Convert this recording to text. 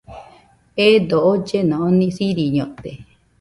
Eedo ollena oni siriñote.